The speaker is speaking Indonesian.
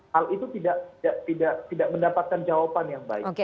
hal itu tidak mendapatkan jawaban yang baik